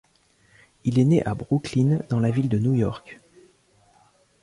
Il est né à Brooklyn dans la ville de New York.